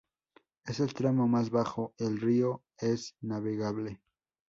En el tramo más bajo el río es navegable.